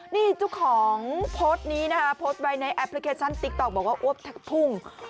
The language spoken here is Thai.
นี่เจ้าของโพสต์นี้นะคะโพสต์ไว้ในแอปพลิเคชันติ๊กต๊อกบอกว่าอวบแท็กพุ่ง